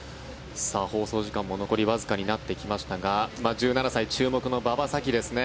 放送時間も残りわずかになってきましたが１７歳、注目の馬場咲希ですね。